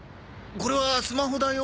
これはスマホだよ。